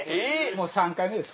もう３回目です。